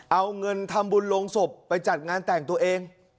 เอาเงินทำบุญลงศพไปจัดงานแต่งตัวเอง